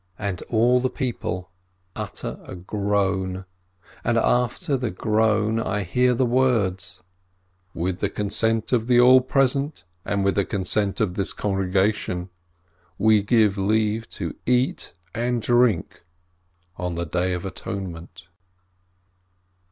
And all the people utter a groan, and after the groan I hear the words, <rWith the consent of the All Present and with the consent of this congregation, we give leave to eat and drink on the Day of Atonement."